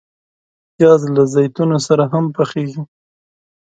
پیاز له زیتونو سره هم پخیږي